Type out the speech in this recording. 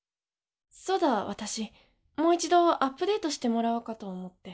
そうだ私もう一度アップデートしてもらおうかと思って。